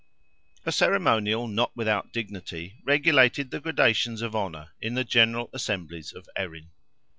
A ceremonial, not without dignity, regulated the gradations of honour, in the General Assemblies of Erin.